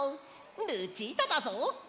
ルチータだぞ！